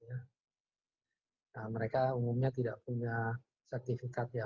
nah mereka umumnya tidak punya sertifikat ya